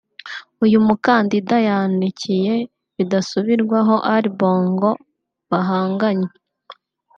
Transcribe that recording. uyu mukandida yanikiye bidasubirwahop Ali Bongo bahanganye